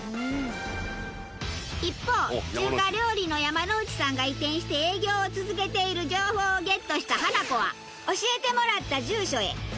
一方中華料理の山之内さんが移転して営業を続けている情報をゲットしたハナコは。